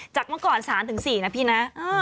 เมื่อก่อน๓๔นะพี่นะ